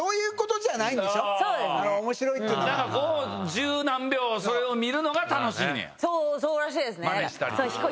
１０何秒それを見るのが楽しいねや。